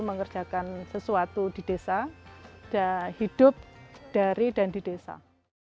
mengerjakan sesuatu di desa dan hidup dari dan di desa